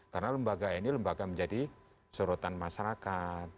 karena lembaga ini lembaga menjadi sorotan masyarakat